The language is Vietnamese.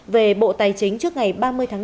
về bộ tài chính trước ngày ba mươi tháng bốn